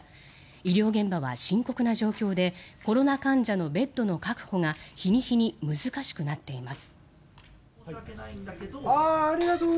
医療現場は深刻な状況でコロナ患者のベッドの確保が日に日に難しくなっています。